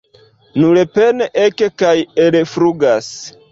Nur pene ek- kaj el-flugas.